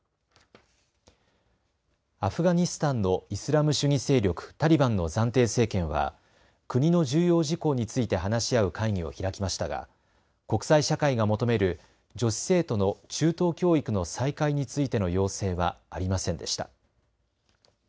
アフガニスタンのイスラム主義勢力タリバンの暫定政権は国の重要事項について話し合う会議を開きましたが国際社会が求める女子生徒の中等教育の再開についての要請はありませんでした。